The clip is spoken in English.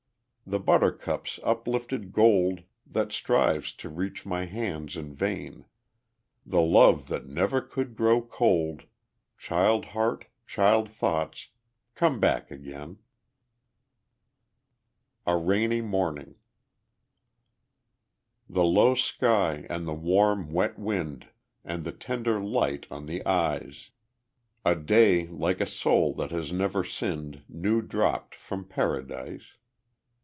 The buttercup's uplifted gold That strives to reach my hands in vain, The love that never could grow cold Child heart, child thoughts, come back again! A Rainy Morning The low sky, and the warm, wet wind, And the tender light on the eyes; A day like a soul that has never sinned, New dropped from Paradise.